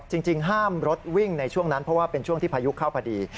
จริงห้ามรถวิ่งในช่วงนั้นเพราะว่าเป็นช่วงที่พายุเข้าพอดี